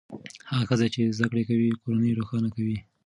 هغه ښځې چې زده کړې کوي کورنۍ روښانه کوي.